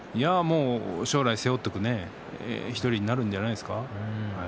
将来、背負っていく１人になるんじゃないですか。